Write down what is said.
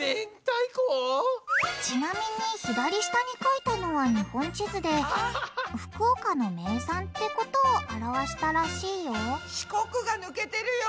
ちなみに左下に描いたのは日本地図で福岡の名産ってことを表したらしいよ四国が抜けてるよ！